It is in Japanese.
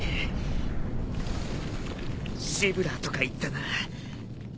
シブラーとかいったな。